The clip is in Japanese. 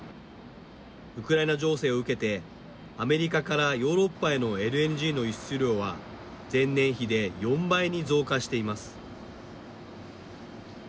ウクライナ情勢を受けてアメリカからヨーロッパへのＬＮＧの輸出量は前年比で４倍に増加しています。